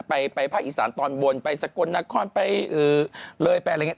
ไปภาคอีสานตอนบนไปสกลนครไปเลยไปอะไรอย่างนี้